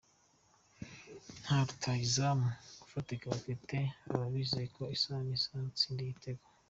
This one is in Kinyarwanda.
Nta rutahizamu ufatika bafite baba bizeye ko isaha n’isaha atsinda ibitego.